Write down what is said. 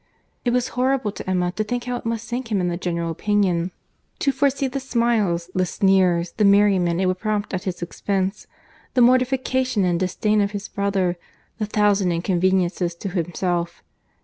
It was horrible to Emma to think how it must sink him in the general opinion, to foresee the smiles, the sneers, the merriment it would prompt at his expense; the mortification and disdain of his brother, the thousand inconveniences to himself.